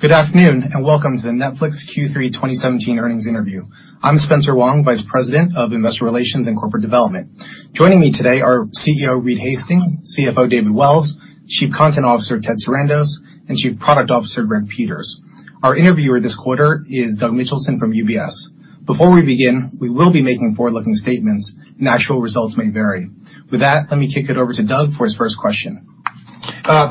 Good afternoon, welcome to the Netflix Q3 2017 earnings interview. I'm Spencer Wang, Vice President of Investor Relations and Corporate Development. Joining me today are CEO Reed Hastings, CFO David Wells, Chief Content Officer Ted Sarandos, and Chief Product Officer Greg Peters. Our interviewer this quarter is Doug Mitchelson from UBS. Before we begin, we will be making forward-looking statements and actual results may vary. With that, let me kick it over to Doug for his first question.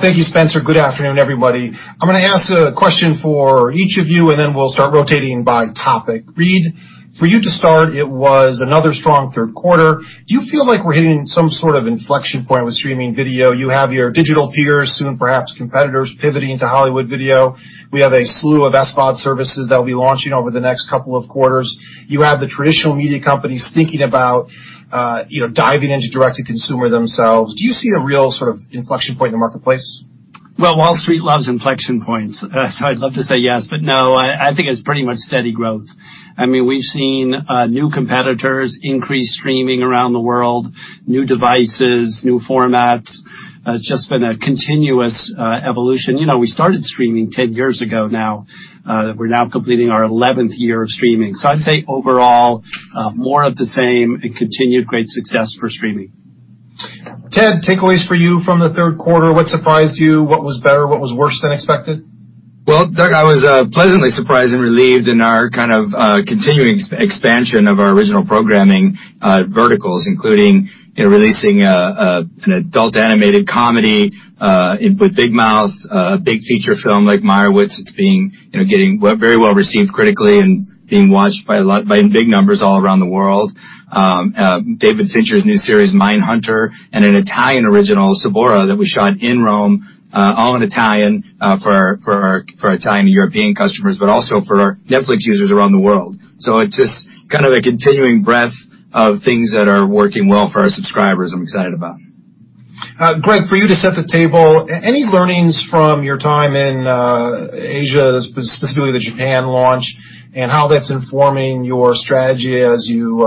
Thank you, Spencer. Good afternoon, everybody. I'm going to ask a question for each of you, and then we'll start rotating by topic. Reed, for you to start, it was another strong third quarter. Do you feel like we're hitting some sort of inflection point with streaming video? You have your digital peers, soon perhaps competitors, pivoting to Hollywood video. We have a slew of SVOD services that will be launching over the next couple of quarters. You have the traditional media companies thinking about diving into direct to consumer themselves. Do you see a real inflection point in the marketplace? Well, Wall Street loves inflection points, so I'd love to say yes, but no. I think it's pretty much steady growth. We've seen new competitors increase streaming around the world, new devices, new formats. It's just been a continuous evolution. We started streaming 10 years ago now. We're now completing our 11th year of streaming. I'd say overall, more of the same and continued great success for streaming. Ted, takeaways for you from the third quarter, what surprised you? What was better? What was worse than expected? Well, Doug, I was pleasantly surprised and relieved in our continuing expansion of our original programming verticals, including releasing an adult animated comedy with "Big Mouth," a big feature film like "Meyerowitz," getting very well received critically and being watched by big numbers all around the world. David Fincher's new series, "Mindhunter," and an Italian original, "Suburra: Blood on Rome," that we shot in Rome, all in Italian, for our Italian and European customers, but also for our Netflix users around the world. It's just a continuing breadth of things that are working well for our subscribers I'm excited about. Greg, for you to set the table, any learnings from your time in Asia, specifically the Japan launch, and how that's informing your strategy as you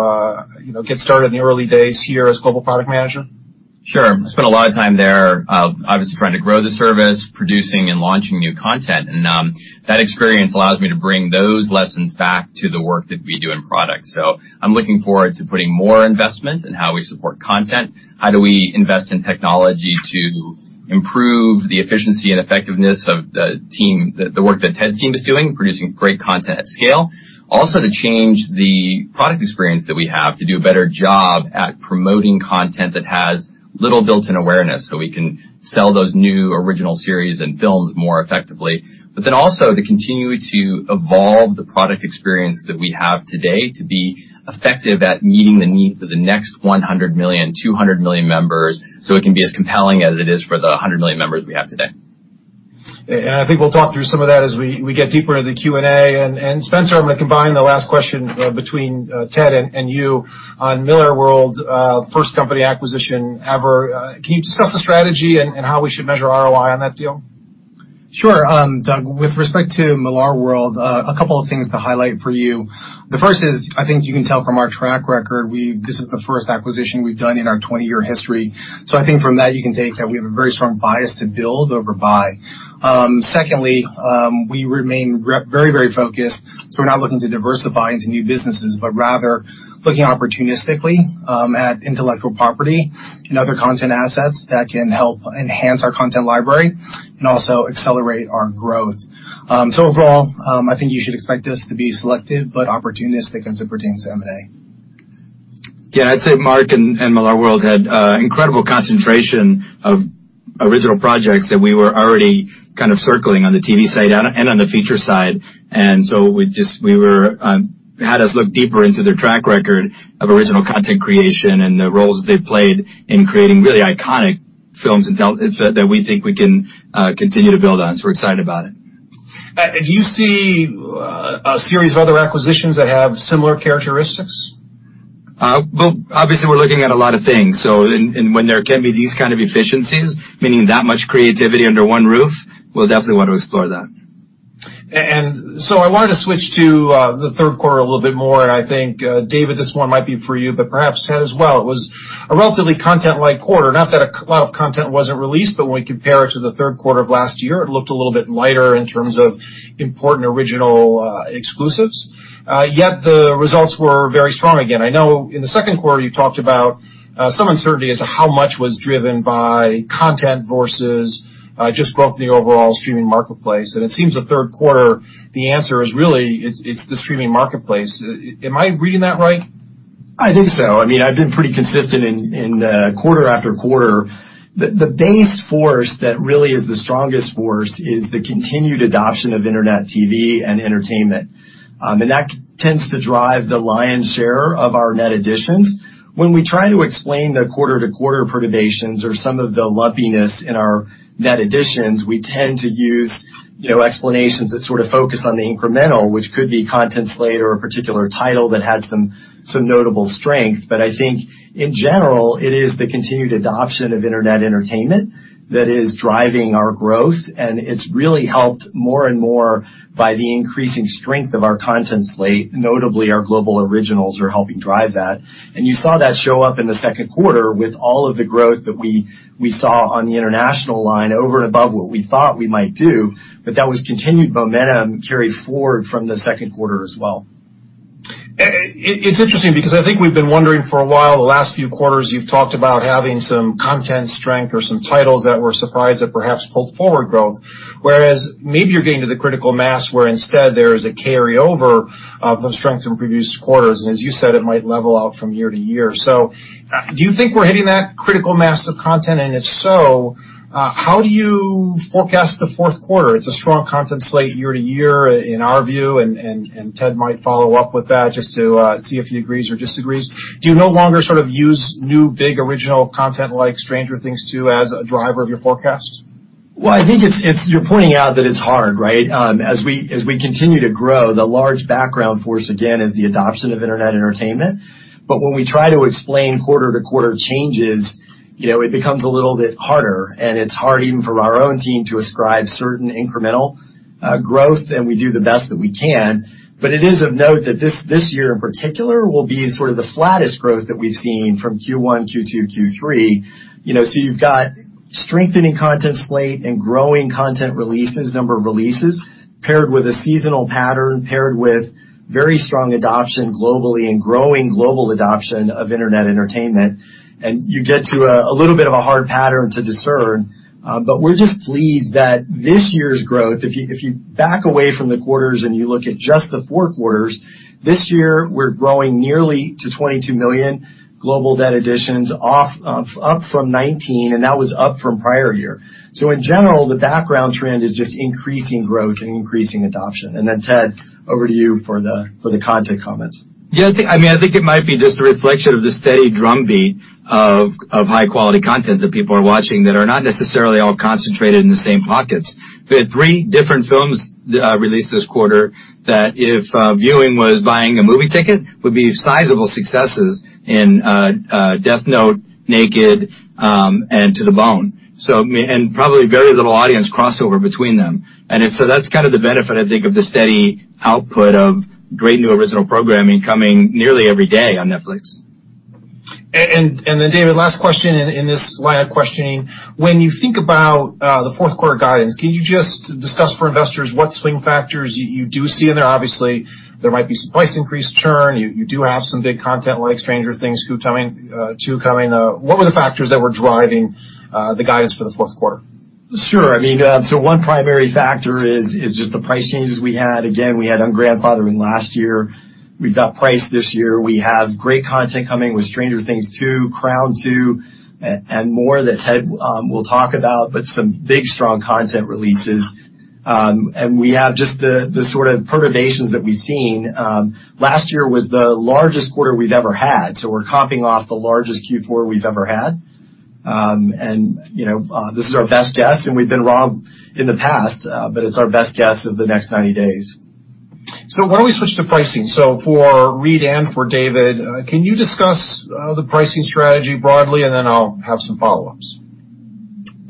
get started in the early days here as global product manager? Sure. I spent a lot of time there, obviously, trying to grow the service, producing and launching new content. That experience allows me to bring those lessons back to the work that we do in product. I'm looking forward to putting more investment in how we support content. How do we invest in technology to improve the efficiency and effectiveness of the work that Ted's team is doing, producing great content at scale? Also, to change the product experience that we have to do a better job at promoting content that has little built-in awareness, so we can sell those new original series and films more effectively. Also to continue to evolve the product experience that we have today to be effective at meeting the needs of the next 100 million, 200 million members, so it can be as compelling as it is for the 100 million members we have today. I think we'll talk through some of that as we get deeper into Q&A. Spencer, I'm going to combine the last question between Ted and you on Millarworld, first company acquisition ever. Can you discuss the strategy and how we should measure ROI on that deal? Sure. Doug, with respect to Millarworld, a couple of things to highlight for you. The first is, I think you can tell from our track record, this is the first acquisition we've done in our 20-year history. I think from that you can take that we have a very strong bias to build over buy. Secondly, we remain very focused, so we're not looking to diversify into new businesses, but rather looking opportunistically at intellectual property and other content assets that can help enhance our content library and also accelerate our growth. Overall, I think you should expect us to be selective but opportunistic as it pertains to M&A. Yeah, I'd say Mark and Millarworld had incredible concentration of original projects that we were already circling on the TV side and on the feature side. It had us look deeper into their track record of original content creation and the roles that they played in creating really iconic films that we think we can continue to build on. We're excited about it. Do you see a series of other acquisitions that have similar characteristics? Well, obviously, we're looking at a lot of things. When there can be these kind of efficiencies, meaning that much creativity under one roof, we'll definitely want to explore that. I wanted to switch to the third quarter a little bit more, I think, David, this one might be for you, but perhaps Ted as well. It was a relatively content-light quarter, not that a lot of content wasn't released, but when we compare it to the third quarter of last year, it looked a little bit lighter in terms of important original exclusives. Yet the results were very strong again. I know in the second quarter, you talked about some uncertainty as to how much was driven by content versus just growth in the overall streaming marketplace. It seems the third quarter, the answer is really, it's the streaming marketplace. Am I reading that right? I think so. I've been pretty consistent in quarter after quarter. The base force that really is the strongest force is the continued adoption of internet TV and entertainment. That tends to drive the lion's share of our net additions. When we try to explain the quarter-to-quarter perturbations or some of the lumpiness in our net additions, we tend to use explanations that focus on the incremental, which could be content slate or a particular title that had some notable strength. I think in general, it is the continued adoption of internet entertainment that is driving our growth, and it's really helped more and more by the increasing strength of our content slate, notably our global originals are helping drive that. You saw that show up in the second quarter with all of the growth that we saw on the international line over and above what we thought we might do. That was continued momentum carried forward from the second quarter as well. It's interesting because I think we've been wondering for a while, the last few quarters, you've talked about having some content strength or some titles that were surprised that perhaps pulled forward growth, whereas maybe you're getting to the critical mass where instead there is a carryover of those strengths in previous quarters, and as you said, it might level out from year-over-year. Do you think we're hitting that critical mass of content? If so, how do you forecast the fourth quarter? It's a strong content slate year-over-year in our view, and Ted might follow up with that just to see if he agrees or disagrees. Do you no longer sort of use new, big, original content like Stranger Things 2 as a driver of your forecast? Well, I think you're pointing out that it's hard, right? As we continue to grow, the large background for us, again, is the adoption of internet entertainment. When we try to explain quarter-over-quarter changes, it becomes a little bit harder, and it's hard even for our own team to ascribe certain incremental growth, and we do the best that we can. It is of note that this year in particular will be sort of the flattest growth that we've seen from Q1, Q2, Q3. You've got strengthening content slate and growing content releases, number of releases, paired with a seasonal pattern, paired with very strong adoption globally and growing global adoption of internet entertainment. You get to a little bit of a hard pattern to discern. We're just pleased that this year's growth, if you back away from the quarters and you look at just the four quarters, this year, we're growing nearly to 22 million global net additions, up from 19, and that was up from prior year. In general, the background trend is just increasing growth and increasing adoption. Ted, over to you for the content comments. Yeah, I think it might be just a reflection of the steady drumbeat of high-quality content that people are watching that are not necessarily all concentrated in the same pockets. We had three different films released this quarter that if viewing was buying a movie ticket, would be sizable successes in Death Note, Naked, and To the Bone, and probably very little audience crossover between them. That's kind of the benefit, I think, of the steady output of great new original programming coming nearly every day on Netflix. David, last question in this line of questioning. When you think about the fourth quarter guidance, can you just discuss for investors what swing factors you do see in there? Obviously, there might be some price increase churn. You do have some big content like Stranger Things 2 coming. What were the factors that were driving the guidance for the fourth quarter? Sure. One primary factor is just the price changes we had. Again, we had un-grandfathering last year. We've got price this year. We have great content coming with Stranger Things 2, Crown 2, and more that Ted will talk about. Some big, strong content releases. We have just the sort of perturbations that we've seen. Last year was the largest quarter we've ever had, so we're comping off the largest Q4 we've ever had. This is our best guess, and we've been wrong in the past, but it's our best guess of the next 90 days. Why don't we switch to pricing? For Reed and for David, can you discuss the pricing strategy broadly, and then I'll have some follow-ups.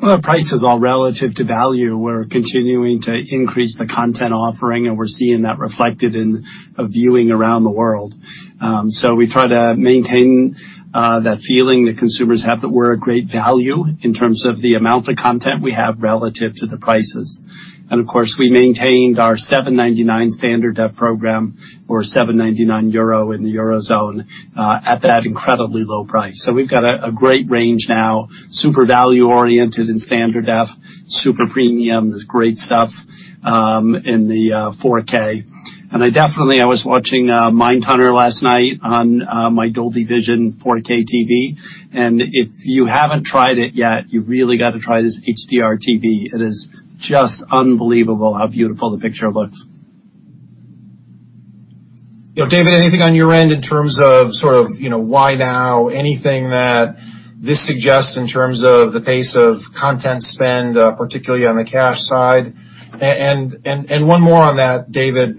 Well, price is all relative to value. We're continuing to increase the content offering, and we're seeing that reflected in viewing around the world. We try to maintain that feeling that consumers have that we're a great value in terms of the amount of content we have relative to the prices. Of course, we maintained our $7.99 standard def program or €7.99 in the Eurozone at that incredibly low price. We've got a great range now. Super value-oriented in standard def, super premium. There's great stuff in the 4K. I definitely was watching Mindhunter last night on my Dolby Vision 4K TV. If you haven't tried it yet, you really got to try this HDR TV. It is just unbelievable how beautiful the picture looks. David, anything on your end in terms of why now? Anything that this suggests in terms of the pace of content spend, particularly on the cash side? One more on that, David.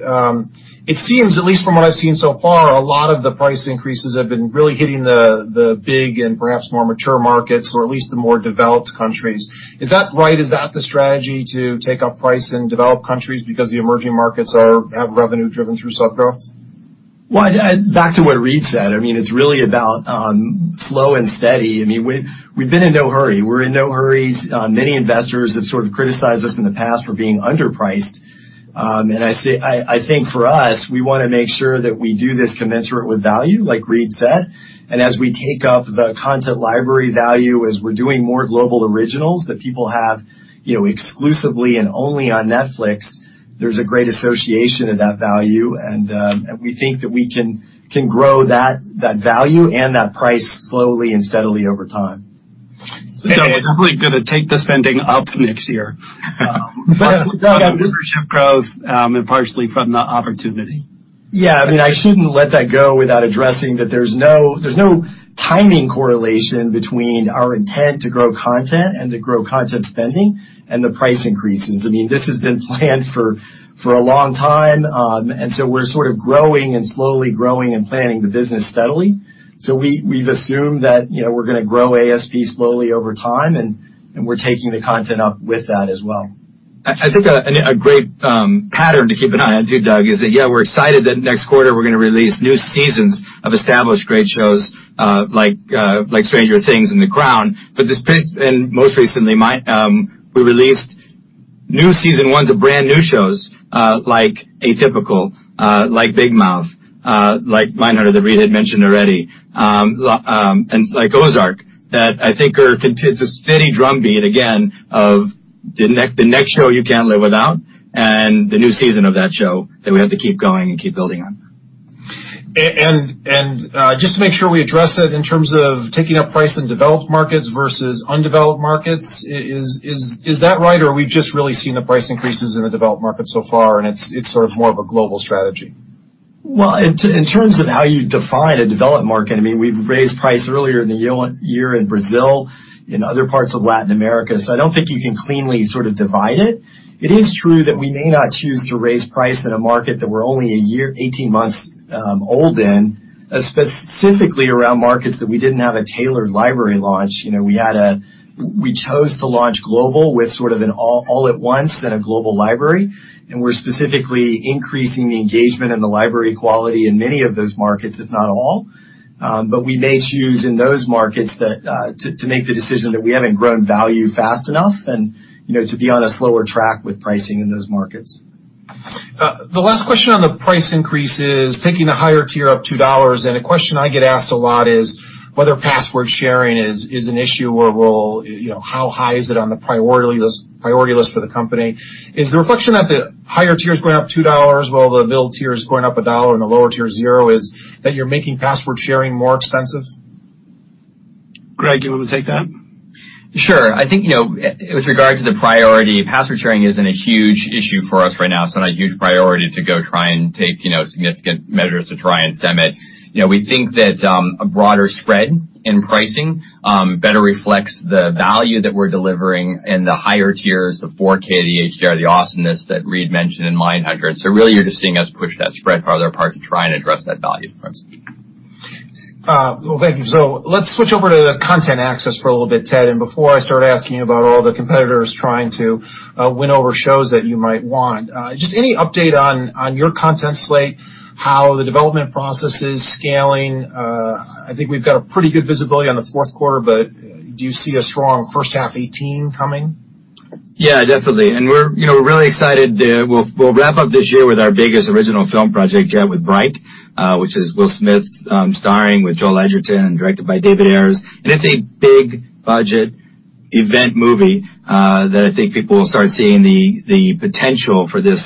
It seems, at least from what I've seen so far, a lot of the price increases have been really hitting the big and perhaps more mature markets or at least the more developed countries. Is that right? Is that the strategy to take up price in developed countries because the emerging markets have revenue driven through sub growth? Well, back to what Reed said. It's really about slow and steady. We've been in no hurry. We're in no hurries. Many investors have sort of criticized us in the past for being underpriced. I think for us, we want to make sure that we do this commensurate with value, like Reed said. As we take up the content library value, as we're doing more global originals that people have exclusively and only on Netflix, there's a great association of that value, and we think that we can grow that value and that price slowly and steadily over time. We're definitely going to take the spending up next year. Partially from membership growth and partially from the opportunity. Yeah, I shouldn't let that go without addressing that there's no timing correlation between our intent to grow content and to grow content spending and the price increases. This has been planned for a long time. We're sort of growing and slowly growing and planning the business steadily. We've assumed that we're going to grow ASP slowly over time, and we're taking the content up with that as well. I think a great pattern to keep an eye on too, Doug, is that yeah, we're excited that next quarter we're going to release new seasons of established great shows like "Stranger Things" and "The Crown," and most recently, we released New Season 1s of brand new shows like "Atypical," like "Big Mouth," like "Mindhunter" that Reed had mentioned already, like "Ozark," that I think it's a steady drumbeat again of the next show you can't live without and the new season of that show that we have to keep going and keep building on. Just to make sure we address it in terms of taking up price in developed markets versus undeveloped markets. Is that right? We've just really seen the price increases in the developed market so far, and it's sort of more of a global strategy? Well, in terms of how you define a developed market, we've raised price earlier in the year in Brazil, in other parts of Latin America. I don't think you can cleanly sort of divide it. It is true that we may not choose to raise price in a market that we're only a year, 18 months old in, specifically around markets that we didn't have a tailored library launch. We chose to launch global with sort of an all at once and a global library, and we're specifically increasing the engagement and the library quality in many of those markets, if not all. We may choose in those markets to make the decision that we haven't grown value fast enough and to be on a slower track with pricing in those markets. The last question on the price increase is taking the higher tier up $2. A question I get asked a lot is whether password sharing is an issue, or how high is it on the priority list for the company? Is the reflection that the higher tier is going up $2, while the middle tier is going up $1 and the lower tier 0 is that you're making password sharing more expensive? Greg, you want to take that? Sure. I think, with regard to the priority, password sharing isn't a huge issue for us right now. It's not a huge priority to go try and take significant measures to try and stem it. We think that a broader spread in pricing better reflects the value that we're delivering in the higher tiers, the 4K, the HDR, the awesomeness that Reed mentioned in Mindhunter. Really, you're just seeing us push that spread farther apart to try and address that value difference. Well, thank you. Let's switch over to the content access for a little bit, Ted. Before I start asking you about all the competitors trying to win over shows that you might want, just any update on your content slate, how the development process is scaling? I think we've got a pretty good visibility on the fourth quarter. Do you see a strong first half 2018 coming? Definitely. We're really excited. We'll wrap up this year with our biggest original film project yet with "Bright," which is Will Smith starring with Joel Edgerton and directed by David Ayer. It's a big budget event movie that I think people will start seeing the potential for this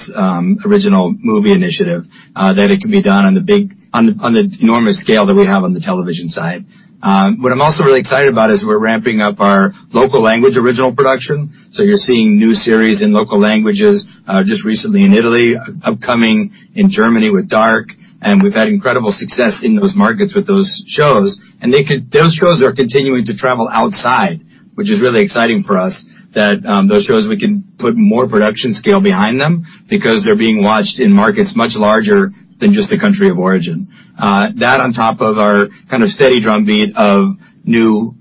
original movie initiative, that it can be done on the enormous scale that we have on the television side. What I'm also really excited about is we're ramping up our local language original production. You're seeing new series in local languages, just recently in Italy, upcoming in Germany with "Dark," and we've had incredible success in those markets with those shows. Those shows are continuing to travel outside, which is really exciting for us that those shows, we can put more production scale behind them because they're being watched in markets much larger than just the country of origin. That on top of our kind of steady drumbeat of new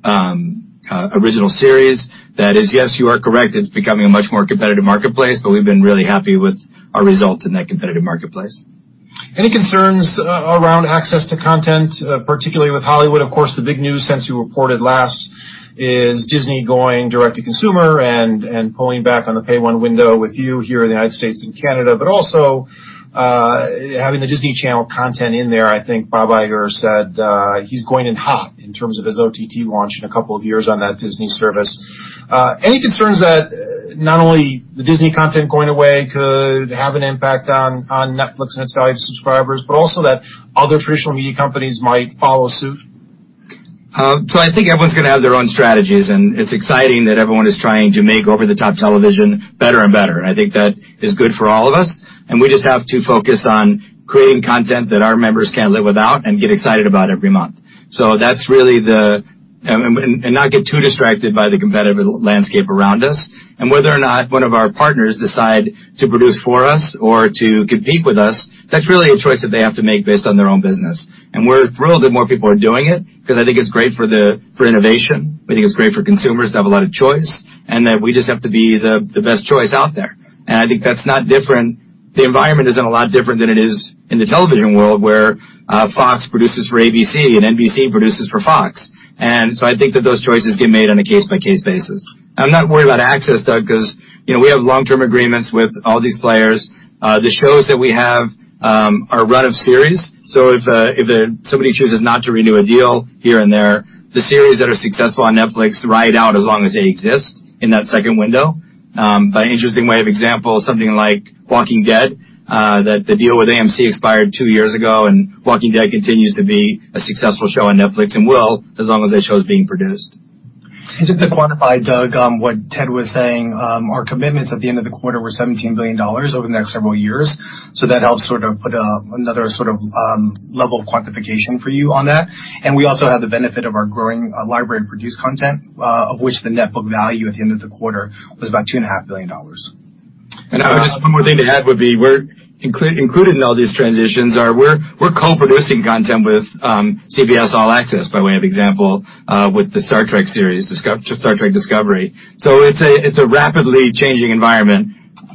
original series, that is, yes, you are correct, it's becoming a much more competitive marketplace, but we've been really happy with our results in that competitive marketplace. Any concerns around access to content, particularly with Hollywood? Of course, the big news since you reported last is Disney going direct to consumer and pulling back on the pay one window with you here in the U.S. and Canada, but also having the Disney Channel content in there. I think Bob Iger said he's going in hot in terms of his OTT launch in a couple of years on that Disney service. Any concerns that not only the Disney content going away could have an impact on Netflix and its value to subscribers, but also that other traditional media companies might follow suit? I think everyone's going to have their own strategies, and it's exciting that everyone is trying to make over-the-top television better and better. I think that is good for all of us, and we just have to focus on creating content that our members can't live without and get excited about every month. Not get too distracted by the competitive landscape around us. Whether or not one of our partners decide to produce for us or to compete with us, that's really a choice that they have to make based on their own business. We're thrilled that more people are doing it because I think it's great for innovation. I think it's great for consumers to have a lot of choice, and that we just have to be the best choice out there. I think the environment isn't a lot different than it is in the television world where Fox produces for ABC and NBC produces for Fox. I think that those choices get made on a case-by-case basis. I'm not worried about access, though, because we have long-term agreements with all these players. The shows that we have are run of series, so if somebody chooses not to renew a deal here and there, the series that are successful on Netflix ride out as long as they exist in that second window. By interesting way of example, something like "The Walking Dead," the deal with AMC expired two years ago, and "The Walking Dead" continues to be a successful show on Netflix and will as long as that show is being produced. Just to quantify, Doug, what Ted was saying, our commitments at the end of the quarter were $17 billion over the next several years. That helps sort of put another level of quantification for you on that. We also have the benefit of our growing library of produced content, of which the net book value at the end of the quarter was about $2.5 billion. Just one more thing to add would be included in all these transitions are we're co-producing content with CBS All Access, by way of example, with the "Star Trek" series, just "Star Trek: Discovery." It's a rapidly changing environment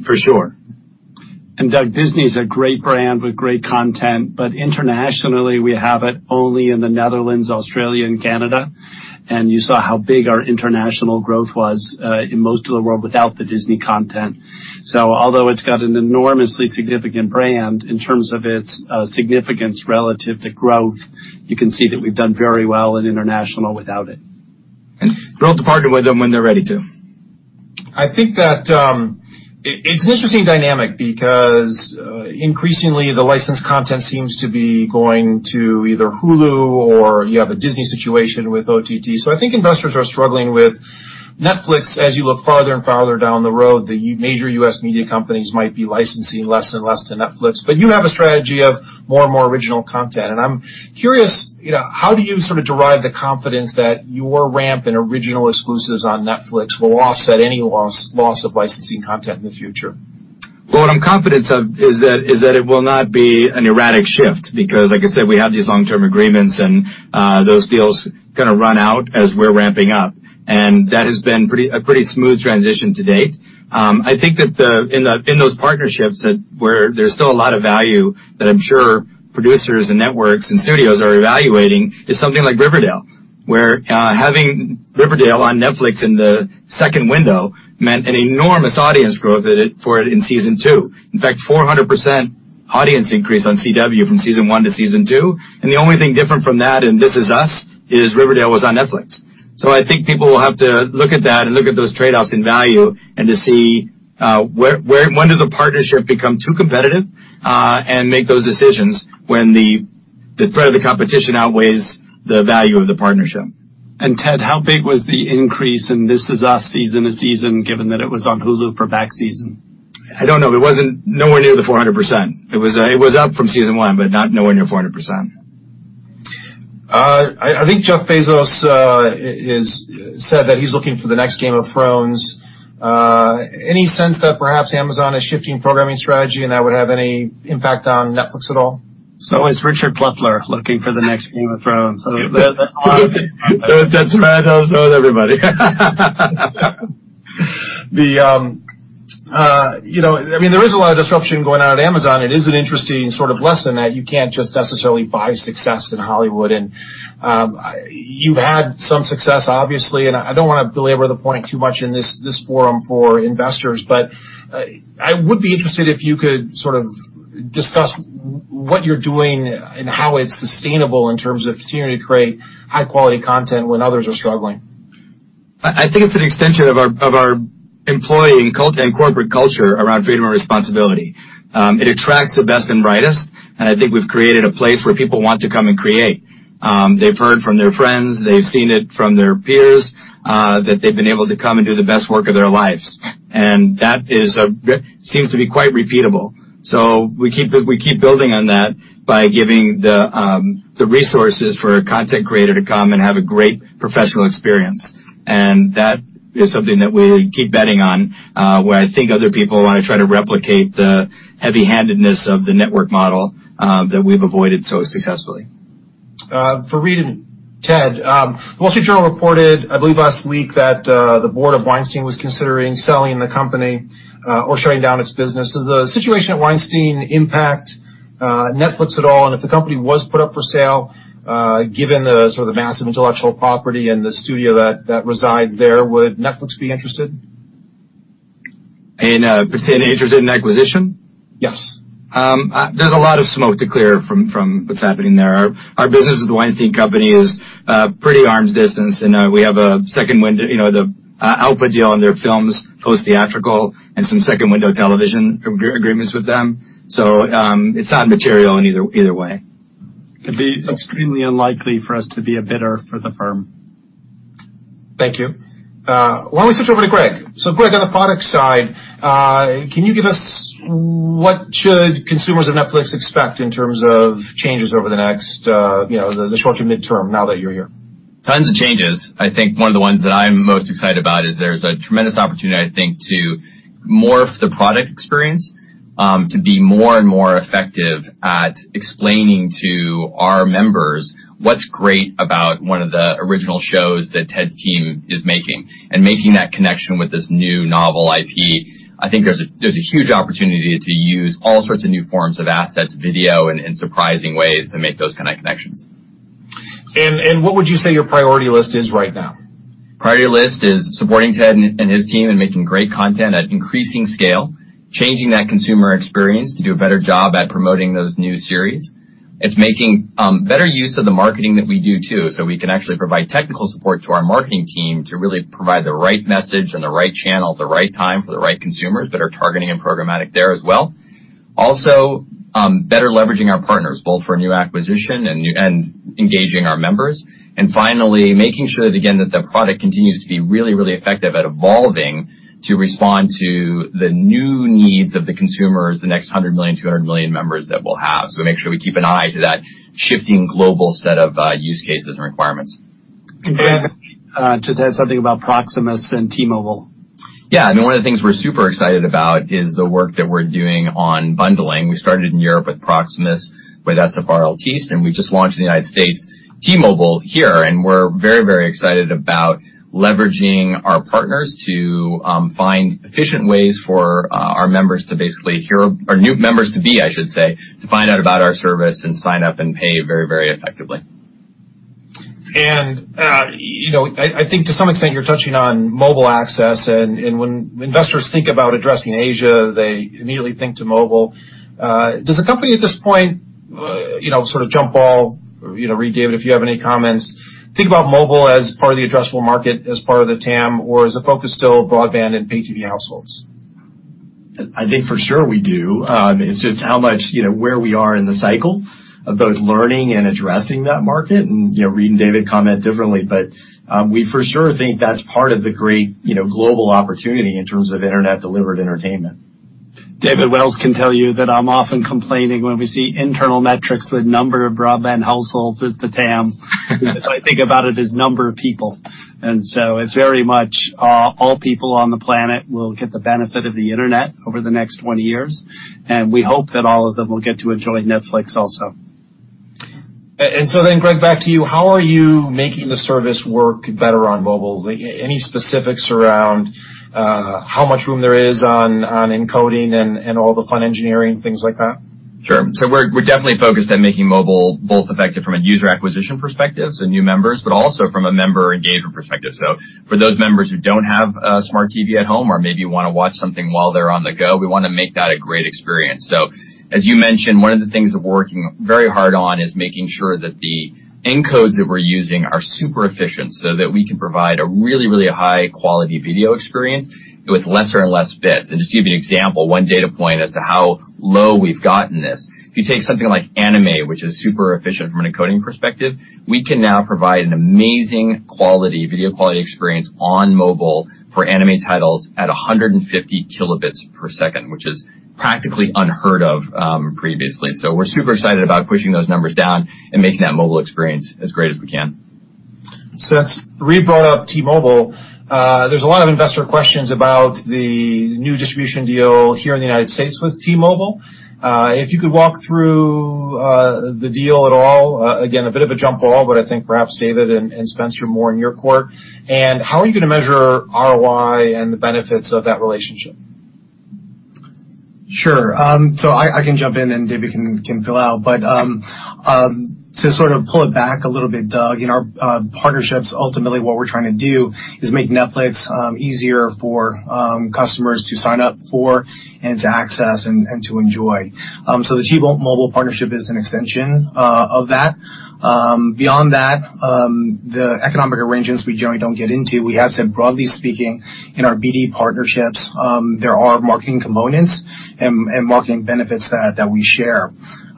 for sure. Doug, Disney's a great brand with great content, but internationally, we have it only in the Netherlands, Australia, and Canada. You saw how big our international growth was in most of the world without the Disney content. Although it's got an enormously significant brand in terms of its significance relative to growth, you can see that we've done very well in international without it. We're open to partner with them when they're ready to. I think that it's an interesting dynamic because increasingly the licensed content seems to be going to either Hulu or you have a Disney situation with OTT. I think investors are struggling with Netflix as you look farther and farther down the road, the major U.S. media companies might be licensing less and less to Netflix. You have a strategy of more and more original content, and I'm curious, how do you derive the confidence that your ramp in original exclusives on Netflix will offset any loss of licensing content in the future? Well, what I'm confident of is that it will not be an erratic shift because like I said, we have these long-term agreements and those deals run out as we're ramping up. That has been a pretty smooth transition to date. I think that in those partnerships where there's still a lot of value that I'm sure producers and networks and studios are evaluating, is something like Riverdale, where having Riverdale on Netflix in the second window meant an enormous audience growth for it in season two. In fact, 400% audience increase on The CW from season one to season two, and the only thing different from that and This Is Us is Riverdale was on Netflix. I think people will have to look at that and look at those trade-offs in value and to see when does a partnership become too competitive, and make those decisions when the threat of the competition outweighs the value of the partnership. Ted, how big was the increase in This Is Us season to season, given that it was on Hulu for a back season? I don't know. It wasn't nowhere near the 400%. It was up from season one, but not nowhere near 400%. I think Jeff Bezos has said that he's looking for the next Game of Thrones. Any sense that perhaps Amazon is shifting programming strategy and that would have any impact on Netflix at all? Is Richard Plepler looking for the next Game of Thrones. That's right. That was everybody. I mean, there is a lot of disruption going on at Amazon. It is an interesting sort of lesson that you can't just necessarily buy success in Hollywood, and you've had some success obviously, and I don't want to belabor the point too much in this forum for investors, but I would be interested if you could discuss what you're doing and how it's sustainable in terms of continuing to create high-quality content when others are struggling. I think it's an extension of our employee and corporate culture around freedom and responsibility. It attracts the best and brightest, and I think we've created a place where people want to come and create. They've heard from their friends, they've seen it from their peers, that they've been able to come and do the best work of their lives. That seems to be quite repeatable. We keep building on that by giving the resources for a content creator to come and have a great professional experience. That is something that we keep betting on, where I think other people want to try to replicate the heavy-handedness of the network model that we've avoided so successfully. For Reed and Ted, The Wall Street Journal reported, I believe last week, that the board of Weinstein was considering selling the company or shutting down its business. Does the situation at Weinstein impact Netflix at all? If the company was put up for sale, given the massive intellectual property and the studio that resides there, would Netflix be interested? Interested in acquisition? Yes. There's a lot of smoke to clear from what's happening there. Our business with The Weinstein Company is pretty arm's distance, and we have the output deal on their films, post-theatrical and some second-window television agreements with them. It's not material in either way. It'd be extremely unlikely for us to be a bidder for the firm. Thank you. Why don't we switch over to Greg? Greg, on the product side, can you give us what should consumers of Netflix expect in terms of changes over the short to midterm now that you're here? Tons of changes. I think one of the ones that I'm most excited about is there's a tremendous opportunity, I think, to morph the product experience to be more and more effective at explaining to our members what's great about one of the original shows that Ted's team is making, and making that connection with this new novel IP. I think there's a huge opportunity to use all sorts of new forms of assets, video, and surprising ways to make those kind of connections. What would you say your priority list is right now? Priority list is supporting Ted and his team in making great content at increasing scale, changing that consumer experience to do a better job at promoting those new series. It's making better use of the marketing that we do too, so we can actually provide technical support to our marketing team to really provide the right message and the right channel at the right time for the right consumers, better targeting and programmatic there as well. Better leveraging our partners, both for new acquisition and engaging our members. Finally, making sure that, again, that the product continues to be really, really effective at evolving to respond to the new needs of the consumers, the next 100 million, 200 million members that we'll have. Make sure we keep an eye to that shifting global set of use cases and requirements. Greg. Ted, something about Proximus and T-Mobile. One of the things we're super excited about is the work that we're doing on bundling. We started in Europe with Proximus, with SFR Altice, we just launched in the U.S. T-Mobile here. We're very excited about leveraging our partners to find efficient ways for our new members to be, I should say, to find out about our service and sign up and pay very effectively. I think to some extent you're touching on mobile access. When investors think about addressing Asia, they immediately think to mobile. Does the company at this point sort of jump ball, Reed, David, if you have any comments, think about mobile as part of the addressable market, as part of the TAM, or is the focus still broadband and pay TV households? I think for sure we do. It's just how much, where we are in the cycle of both learning and addressing that market. Reed and David comment differently. We for sure think that's part of the great global opportunity in terms of Internet-delivered entertainment. David Wells can tell you that I'm often complaining when we see internal metrics, the number of broadband households is the TAM because I think about it as number of people. It's very much all people on the planet will get the benefit of the Internet over the next 20 years. We hope that all of them will get to enjoy Netflix also. Greg, back to you. How are you making the service work better on mobile? Any specifics around how much room there is on encoding and all the fun engineering, things like that? Sure. We're definitely focused on making mobile both effective from a user acquisition perspective, new members, but also from a member engagement perspective. For those members who don't have a smart TV at home or maybe want to watch something while they're on the go, we want to make that a great experience. As you mentioned, one of the things that we're working very hard on is making sure that the encodes that we're using are super efficient so that we can provide a really high-quality video experience with lesser and less bits. Just to give you an example, one data point as to how low we've gotten this. If you take something like anime, which is super efficient from an encoding perspective, we can now provide an amazing video quality experience on mobile for anime titles at 150 kilobits per second, which is practically unheard of previously. We're super excited about pushing those numbers down and making that mobile experience as great as we can. Since Reed brought up T-Mobile, there's a lot of investor questions about the new distribution deal here in the U.S. with T-Mobile. If you could walk through the deal at all, again, a bit of a jump ball, but I think perhaps David and Spencer more in your court. How are you going to measure ROI and the benefits of that relationship? Sure. I can jump in, and David can fill out. To sort of pull it back a little bit, Doug, in our partnerships, ultimately what we're trying to do is make Netflix easier for customers to sign up for and to access and to enjoy. The T-Mobile partnership is an extension of that. Beyond that, the economic arrangements we generally don't get into. We have said, broadly speaking, in our BD partnerships, there are marketing components and marketing benefits that we share.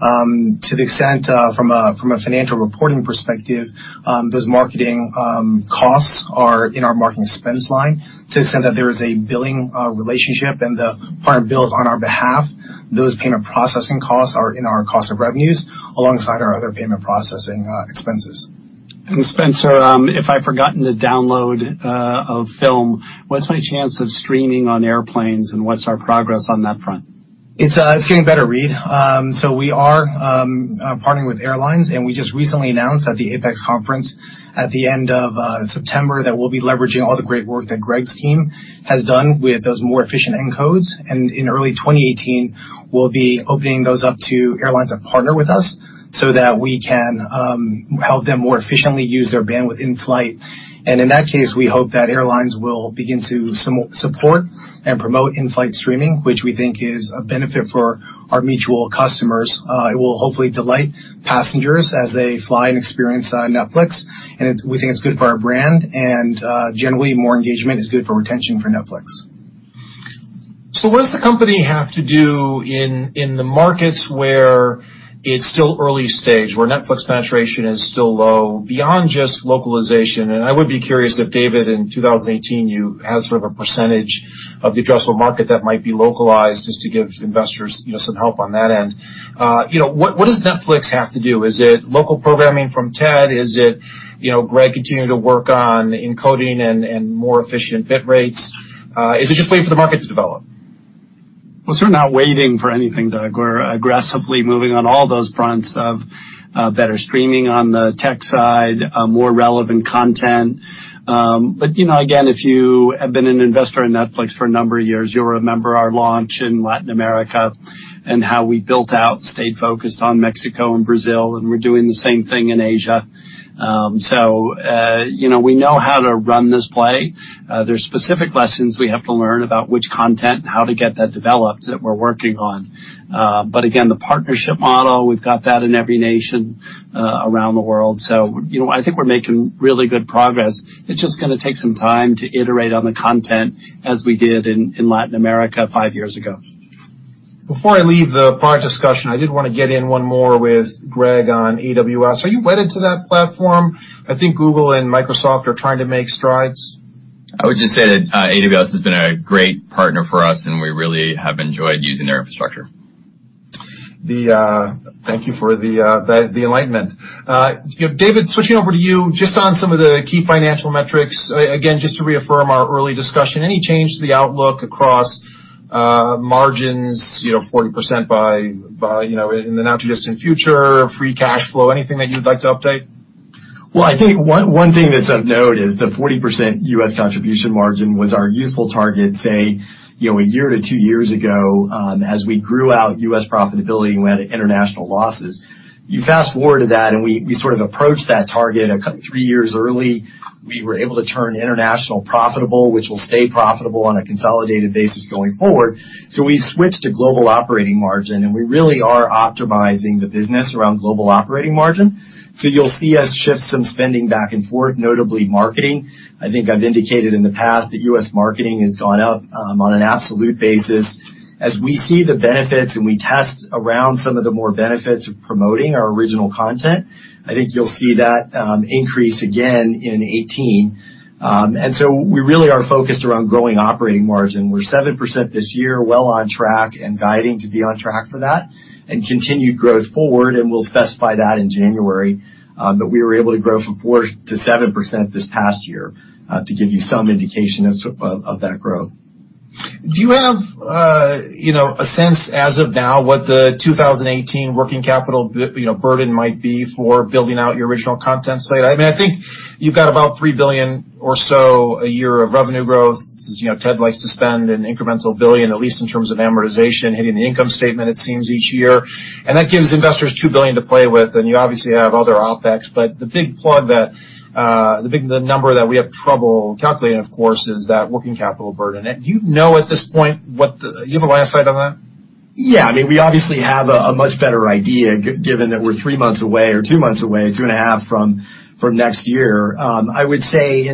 To the extent from a financial reporting perspective, those marketing costs are in our marketing expense line to the extent that there is a billing relationship and the partner bills on our behalf, those payment processing costs are in our cost of revenues alongside our other payment processing expenses. Spencer, if I've forgotten to download a film, what's my chance of streaming on airplanes and what's our progress on that front? It's getting better, Reed. We are partnering with airlines, and we just recently announced at the APEX conference at the end of September that we'll be leveraging all the great work that Greg's team has done with those more efficient encodes. In early 2018, we'll be opening those up to airlines that partner with us so that we can help them more efficiently use their bandwidth in flight. In that case, we hope that airlines will begin to support and promote in-flight streaming, which we think is a benefit for our mutual customers. It will hopefully delight passengers as they fly and experience Netflix. We think it's good for our brand, and generally, more engagement is good for retention for Netflix. What does the company have to do in the markets where it's still early stage, where Netflix penetration is still low, beyond just localization? I would be curious if, David, in 2018, you have sort of a percentage of the addressable market that might be localized just to give investors some help on that end. What does Netflix have to do? Is it local programming from Ted? Is it Greg continuing to work on encoding and more efficient bit rates? Is it just waiting for the market to develop? Well, we're not waiting for anything, Doug. We're aggressively moving on all those fronts of better streaming on the tech side, more relevant content. Again, if you have been an investor in Netflix for a number of years, you'll remember our launch in Latin America and how we built out, stayed focused on Mexico and Brazil, and we're doing the same thing in Asia. We know how to run this play. There's specific lessons we have to learn about which content and how to get that developed that we're working on. Again, the partnership model, we've got that in every nation around the world. I think we're making really good progress. It's just going to take some time to iterate on the content as we did in Latin America five years ago. Before I leave the product discussion, I did want to get in one more with Greg on AWS. Are you wedded to that platform? I think Google and Microsoft are trying to make strides. I would just say that AWS has been a great partner for us, and we really have enjoyed using their infrastructure. Thank you for the enlightenment. David, switching over to you, just on some of the key financial metrics, again, just to reaffirm our early discussion, any change to the outlook across margins, 40% in the not-too-distant future, free cash flow, anything that you'd like to update? I think one thing that's of note is the 40% U.S. contribution margin was our useful target, say, one year to two years ago, as we grew out U.S. profitability and we had international losses. You fast-forward that, we sort of approached that target three years early. We were able to turn international profitable, which will stay profitable on a consolidated basis going forward. We've switched to global operating margin, we really are optimizing the business around global operating margin. You'll see us shift some spending back and forth, notably marketing. I think I've indicated in the past that U.S. marketing has gone up on an absolute basis. As we see the benefits and we test around some of the more benefits of promoting our original content, I think you'll see that increase again in 2018. We really are focused around growing operating margin. We're 7% this year, well on track and guiding to be on track for that, continued growth forward, and we'll specify that in January. We were able to grow from 4% to 7% this past year, to give you some indication of that growth. Do you have a sense as of now what the 2018 working capital burden might be for building out your original content slate? I think you've got about $3 billion or so a year of revenue growth. As you know, Ted likes to spend an incremental $1 billion, at least in terms of amortization, hitting the income statement, it seems, each year. That gives investors $2 billion to play with, and you obviously have other outlays. The big plug that, the big number that we have trouble calculating, of course, is that working capital burden. Do you know at this point? Do you have a line of sight on that? Yeah. We obviously have a much better idea, given that we're three months away or two months away, two and a half, from next year. I would say,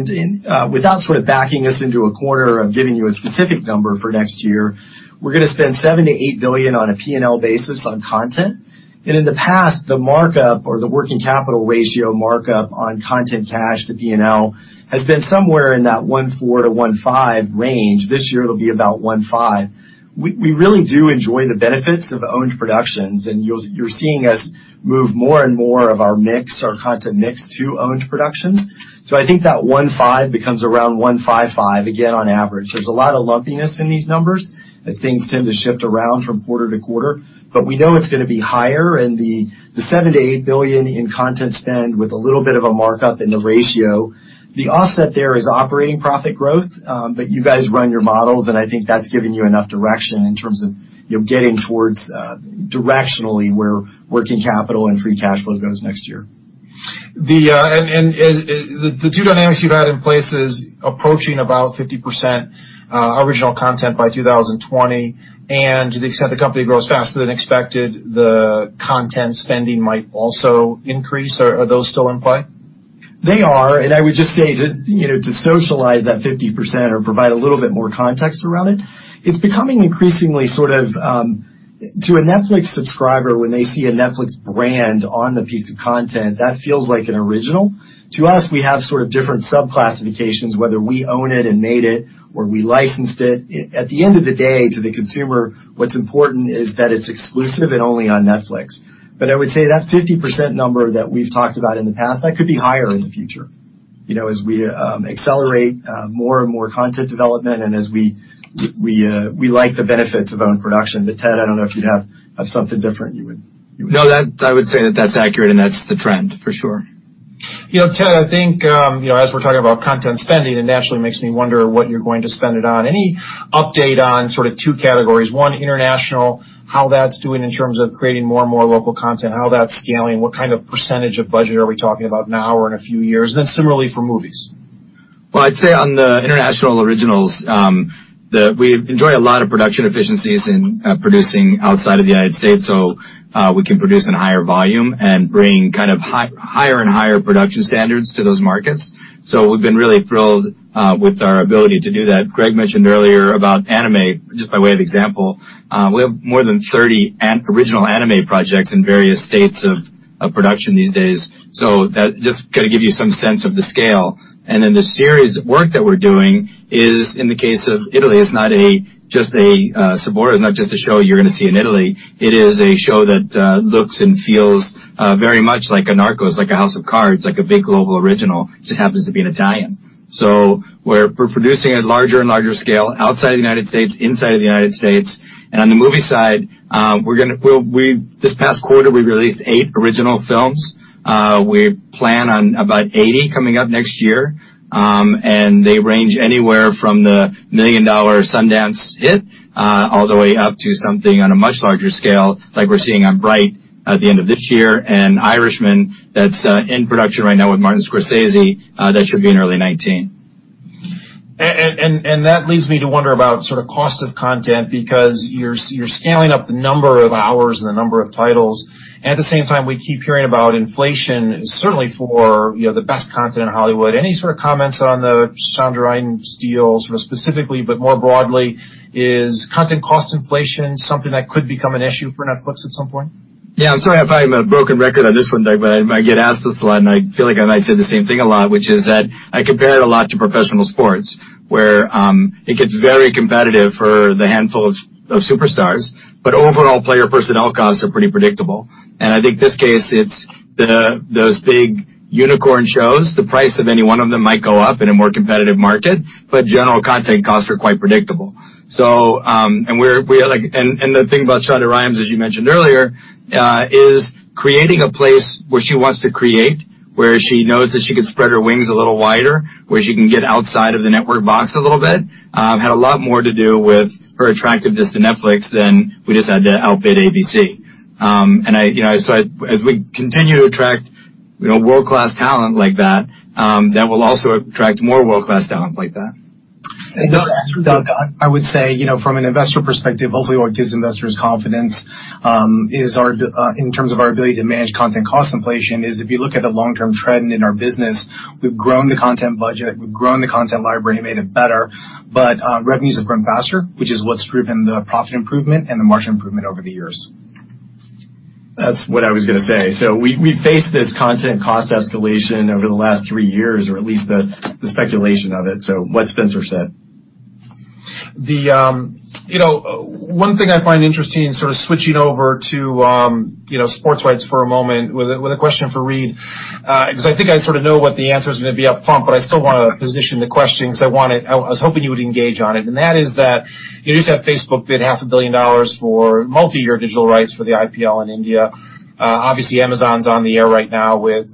without sort of backing us into a corner of giving you a specific number for next year, we're going to spend $7 billion-$8 billion on a P&L basis on content. In the past, the markup or the working capital ratio markup on content cash to P&L has been somewhere in that 1.4 to 1.5 range. This year, it'll be about 1.5. We really do enjoy the benefits of owned productions, you're seeing us move more and more of our mix, our content mix, to owned productions. I think that 1.5 becomes around 1.55, again, on average. There's a lot of lumpiness in these numbers as things tend to shift around from quarter to quarter. We know it's going to be higher, and the $7 billion-$8 billion in content spend with a little bit of a markup in the ratio. The offset there is operating profit growth. You guys run your models, and I think that's giving you enough direction in terms of getting towards directionally where working capital and free cash flow goes next year. The two dynamics you've had in place is approaching about 50% original content by 2020. To the extent the company grows faster than expected, the content spending might also increase. Are those still in play? They are. I would just say to socialize that 50% or provide a little bit more context around it's becoming increasingly sort of to a Netflix subscriber, when they see a Netflix brand on the piece of content, that feels like an original. To us, we have different sub-classifications, whether we own it and made it, or we licensed it. At the end of the day, to the consumer, what's important is that it's exclusive and only on Netflix. I would say that 50% number that we've talked about in the past, that could be higher in the future. As we accelerate more and more content development, and as we like the benefits of own production. Ted, I don't know if you'd have something different you would. No, I would say that that's accurate. That's the trend, for sure. Ted, I think, as we're talking about content spending, it naturally makes me wonder what you're going to spend it on. Any update on two categories. One, international, how that's doing in terms of creating more and more local content, how that's scaling, what kind of percentage of budget are we talking about now or in a few years? Similarly for movies. Well, I'd say on the international originals, that we enjoy a lot of production efficiencies in producing outside of the United States, so we can produce in higher volume and bring kind of higher and higher production standards to those markets. We've been really thrilled with our ability to do that. Greg mentioned earlier about anime, just by way of example. We have more than 30 original anime projects in various states of production these days. That just kind of give you some sense of the scale. The series work that we're doing is, in the case of Italy, "Suburra" is not just a show you're going to see in Italy. It is a show that looks and feels very much like a "Narcos," like a "House of Cards," like a big global original. Just happens to be in Italian. We're producing at a larger and larger scale outside of the United States, inside of the United States. On the movie side, this past quarter, we released eight original films. We plan on about 80 coming up next year, and they range anywhere from the million-dollar Sundance hit, all the way up to something on a much larger scale like we're seeing on "Bright" at the end of this year, and "Irishman" that's in production right now with Martin Scorsese. That should be in early 2019. That leads me to wonder about cost of content because you're scaling up the number of hours and the number of titles. At the same time, we keep hearing about inflation, certainly for the best content in Hollywood. Any comments on the Shonda Rhimes deal specifically, but more broadly, is content cost inflation something that could become an issue for Netflix at some point? I'm sorry if I'm a broken record on this one, but I get asked this a lot, and I feel like I might say the same thing a lot, which is that I compare it a lot to professional sports, where it gets very competitive for the handful of superstars, but overall player personnel costs are pretty predictable. I think this case, it's those big unicorn shows. The price of any one of them might go up in a more competitive market, but general content costs are quite predictable. The thing about Shonda Rhimes, as you mentioned earlier, is creating a place where she wants to create, where she knows that she could spread her wings a little wider, where she can get outside of the network box a little bit, had a lot more to do with her attractiveness to Netflix than we just had to outbid ABC. As we continue to attract world-class talent like that will also attract more world-class talent like that. Doug, I would say, from an investor perspective, hopefully what gives investors confidence in terms of our ability to manage content cost inflation is if you look at the long-term trend in our business, we've grown the content budget, we've grown the content library, made it better, but revenues have grown faster, which is what's driven the profit improvement and the margin improvement over the years. That's what I was going to say. We faced this content cost escalation over the last three years, or at least the speculation of it. What Spencer said. One thing I find interesting in sort of switching over to sports rights for a moment with a question for Reed, because I think I sort of know what the answer is going to be up front, but I still want to position the question because I was hoping you would engage on it. You just had Facebook bid half a billion dollars for multi-year digital rights for the IPL in India. Obviously, Amazon's on the air right now with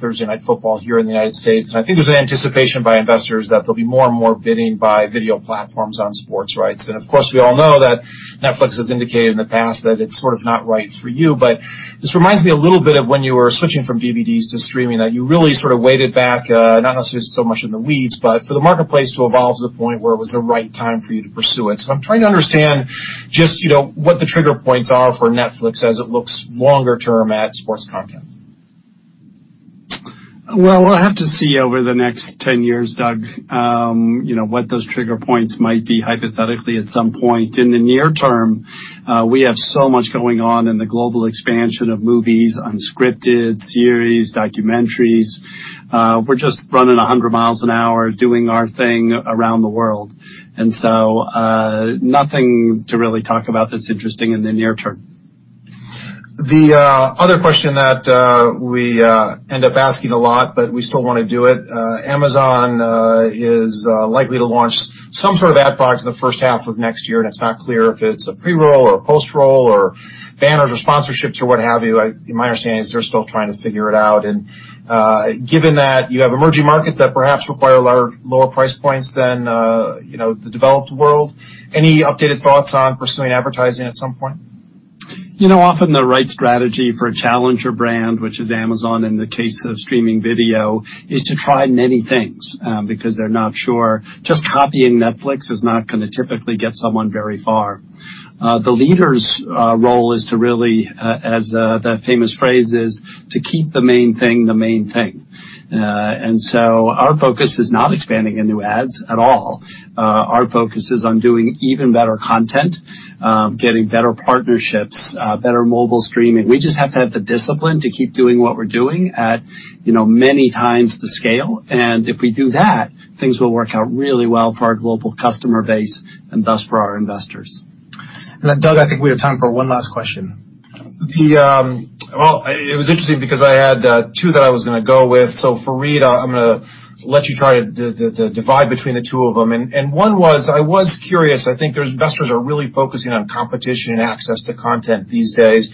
Thursday Night Football here in the United States. I think there's an anticipation by investors that there'll be more and more bidding by video platforms on sports rights. We all know that Netflix has indicated in the past that it's sort of not right for you, but this reminds me a little bit of when you were switching from DVDs to streaming, that you really sort of waited back, not necessarily so much in the weeds, but for the marketplace to evolve to the point where it was the right time for you to pursue it. I'm trying to understand just what the trigger points are for Netflix as it looks longer term at sports content. Well, we'll have to see over the next 10 years, Doug, what those trigger points might be hypothetically at some point. In the near term, we have so much going on in the global expansion of movies, unscripted series, documentaries. We're just running 100 miles an hour doing our thing around the world. Nothing to really talk about that's interesting in the near term. The other question that we end up asking a lot, but we still want to do it, Amazon is likely to launch some sort of ad product in the first half of next year, and it's not clear if it's a pre-roll or a post-roll or banners or sponsorships or what have you. My understanding is they're still trying to figure it out. Given that you have emerging markets that perhaps require lower price points than the developed world, any updated thoughts on pursuing advertising at some point? Often the right strategy for a challenger brand, which is Amazon in the case of streaming video, is to try many things because they're not sure. Just copying Netflix is not going to typically get someone very far. The leader's role is to really, as the famous phrase is, to keep the main thing the main thing. Our focus is not expanding into ads at all. Our focus is on doing even better content, getting better partnerships, better mobile streaming. We just have to have the discipline to keep doing what we're doing at many times the scale. If we do that, things will work out really well for our global customer base, and thus for our investors. Doug, I think we have time for one last question. It was interesting because I had two that I was going to go with. For Reed, I'm going to let you try to divide between the two of them. One was, I was curious, I think investors are really focusing on competition and access to content these days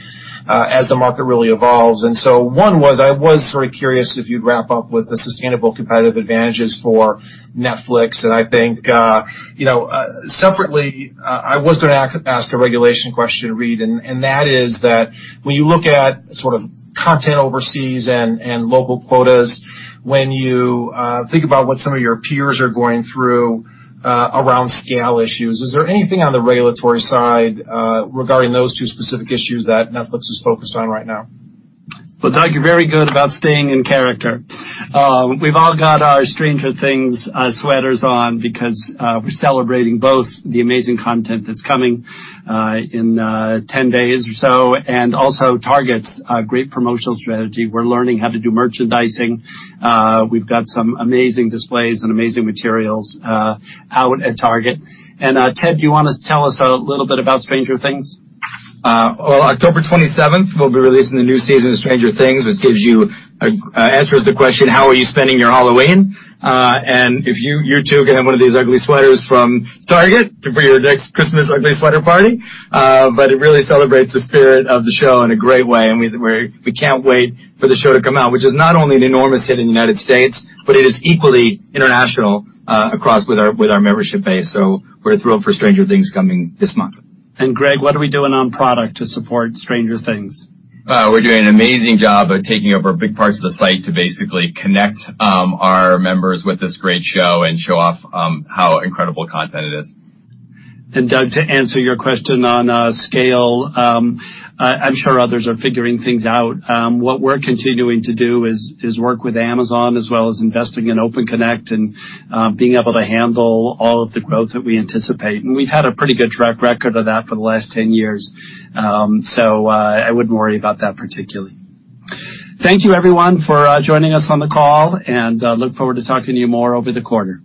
as the market really evolves. One was, I was sort of curious if you'd wrap up with the sustainable competitive advantages for Netflix, I think separately, I was going to ask a regulation question, Reed, and that is that when you look at sort of content overseas and local quotas, when you think about what some of your peers are going through around scale issues, is there anything on the regulatory side regarding those two specific issues that Netflix is focused on right now? Doug, you're very good about staying in character. We've all got our "Stranger Things" sweaters on because we're celebrating both the amazing content that's coming in 10 days or so, and also Target's great promotional strategy. We're learning how to do merchandising. We've got some amazing displays and amazing materials out at Target. Ted, do you want to tell us a little bit about "Stranger Things? October 27th, we'll be releasing the new season of "Stranger Things," which gives you an answer to the question, how are you spending your Halloween? If you two can have one of these ugly sweaters from Target for your next Christmas ugly sweater party. It really celebrates the spirit of the show in a great way, and we can't wait for the show to come out, which is not only an enormous hit in the United States, but it is equally international across with our membership base. We're thrilled for "Stranger Things" coming this month. Greg, what are we doing on product to support Stranger Things? We're doing an amazing job of taking over big parts of the site to basically connect our members with this great show and show off how incredible content it is. Doug, to answer your question on scale, I'm sure others are figuring things out. What we're continuing to do is work with Amazon as well as investing in Open Connect and being able to handle all of the growth that we anticipate. We've had a pretty good track record of that for the last 10 years. I wouldn't worry about that particularly. Thank you, everyone, for joining us on the call, and look forward to talking to you more over the quarter.